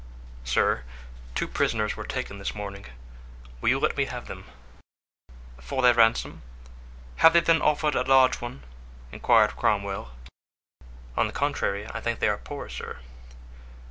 "Sir, two prisoners were taken this morning, will you let me have them?" "For their ransom? have they then offered a large one?" inquired Cromwell. "On the contrary, I think they are poor, sir."